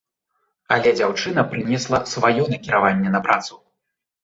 Але дзяўчына прынесла сваё накіраванне на працу.